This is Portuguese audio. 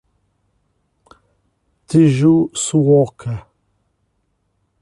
Tejuçuoca